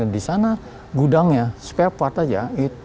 di sana gudangnya spare part saja